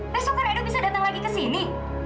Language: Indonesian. besok kan edo bisa datang lagi ke sini